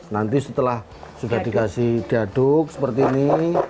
nanti setelah sudah dikasih diaduk seperti ini